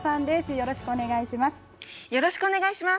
よろしくお願いします。